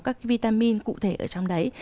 các vitamin cụ thể ở trong đấy